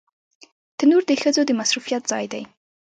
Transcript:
تنور د ښځو د مصروفيت ځای دی